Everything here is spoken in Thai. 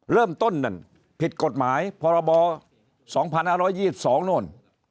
เริ่มต้นนั้นผิดกฎหมายพร๒๑๒๒โน้น